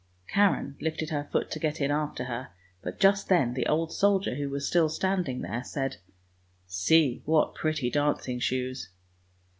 Karen lifted her foot to get in after her, but just then the old soldier, who was still standing there, said, " See what pretty dancing shoes!